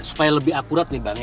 supaya lebih akurat nih bang